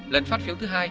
lần phát phiếu thứ hai